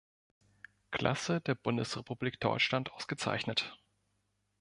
Klasse der Bundesrepublik Deutschland ausgezeichnet.